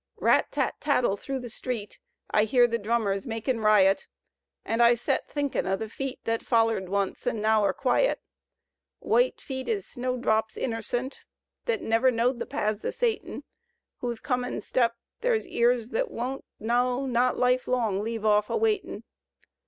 Rat tat tattle thru the street I hear the drummers makin' riot. An' I set thinkin' o' the feet Thet foUered once an' now are quiet, — White feet ez snowdrops imiercent, Thet never knowed the paths o' Satan, Whose comin' step ther' 's ears thet won't. No, not lifelong, leave off awaitin'.